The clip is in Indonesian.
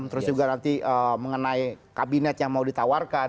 terus juga nanti mengenai kabinet yang mau ditawarkan